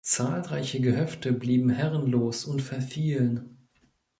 Zahlreiche Gehöfte blieben herrenlos und verfielen.